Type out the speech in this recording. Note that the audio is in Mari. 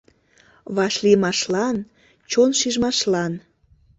Вашлиймашлан, чон шижмашлан